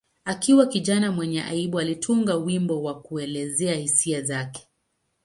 Akiwa kijana mwenye aibu, alitunga wimbo wa kuelezea hisia zake.